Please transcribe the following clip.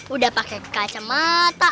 udah pakai kacamata